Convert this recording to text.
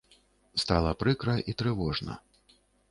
Стала прыкра і трывожна.